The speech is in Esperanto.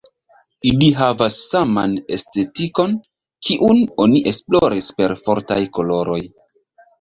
Ili havas saman estetikon, kiun oni esploris per fortaj koloroj.